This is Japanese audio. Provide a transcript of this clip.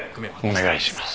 お願いします。